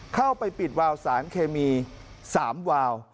เข้าไปปิดวาวสารเคมี๓วาว